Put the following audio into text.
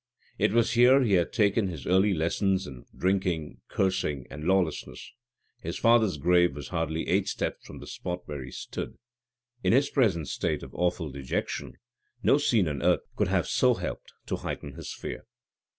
It was here he had taken his early lessons in drinking, cursing, and lawlessness. His father's grave was hardly eight steps from the spot where he stood. In his present state of awful dejection, no scene on earth could have so helped to heighten his fear.